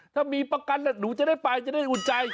ถ้ามีประกันหนูจะได้ไปจะได้อุ่นใจ